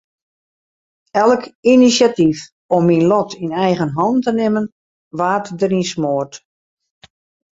Elk inisjatyf om myn lot yn eigen hannen te nimmen waard deryn smoard.